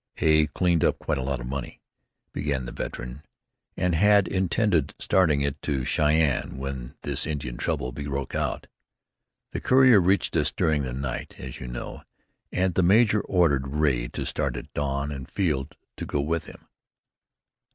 "Hay cleaned up quite a lot of money," began the veteran, "and had intended starting it to Cheyenne when this Indian trouble broke out. The courier reached us during the night, as you know, and the major ordered Ray to start at dawn and Field to go with him."